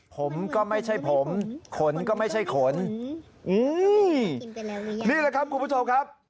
ผมก็ไม่ใช่ผมขนก็ไม่ใช่ขนอืมนี่แหละครับคุณผู้ชมครับ